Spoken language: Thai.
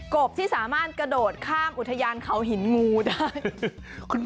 บที่สามารถกระโดดข้ามอุทยานเขาหินงูได้